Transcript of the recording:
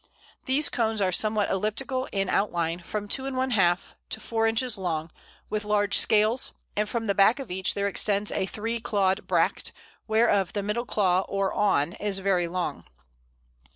These cones are somewhat elliptical in outline, from 2½ to 4 inches long, with large scales, and from the back of each there extends a three clawed bract, whereof the middle claw or awn is very long.